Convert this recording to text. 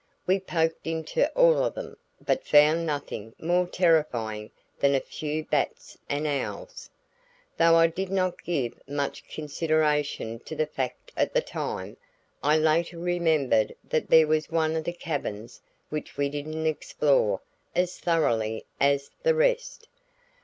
We poked into all of them, but found nothing more terrifying than a few bats and owls. Though I did not give much consideration to the fact at the time, I later remembered that there was one of the cabins which we didn't explore as thoroughly as the rest.